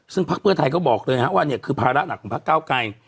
ซึ่งพักเพื่อไทยก็บอกเลยว่าเนี่ยคือภาระหนักของพักเก้าไกร